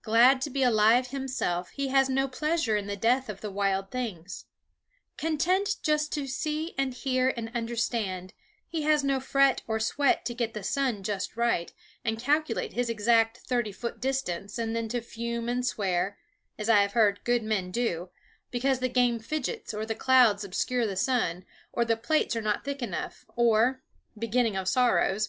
Glad to be alive himself, he has no pleasure in the death of the wild things. Content just to see and hear and understand, he has no fret or sweat to get the sun just right and calculate his exact thirty foot distance and then to fume and swear, as I have heard good men do, because the game fidgets, or the clouds obscure the sun, or the plates are not quick enough, or beginning of sorrows!